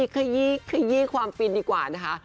ขยี้ความฟินดีกว่านะคะ